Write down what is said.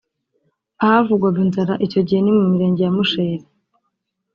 Ahavugwaga inzara icyo gihe ni mu mirenge ya Musheri